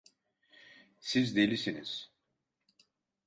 Siz delisiniz.